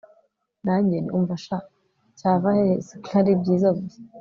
nanjye nti umva sha, cyava hehe se ko ari ibyiza gusa